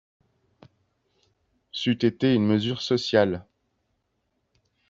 C’eût été une mesure sociale